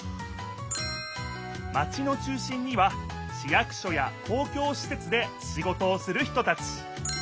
マチの中心には市役所やこうきょうしせつでシゴトをする人たち。